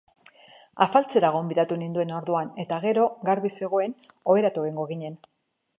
Afaltzera gonbidatu ninduen orduan eta gero, garbi zegoen, oheratu egingo ginen.